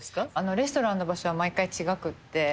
レストランの場所は毎回違くって。